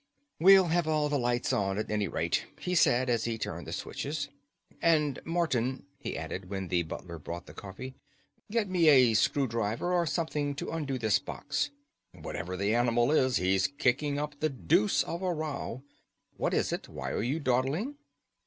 "We'll have all the lights on at any rate," he said, as he turned the switches. "And, Morton," he added, when the butler brought the coffee, "get me a screwdriver or something to undo this box. Whatever the animal is, he's kicking up the deuce of a row. What is it? Why are you dawdling?"